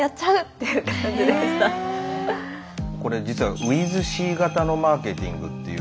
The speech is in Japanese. これ実はｗｉｔｈＣ型のマーケティングっていう。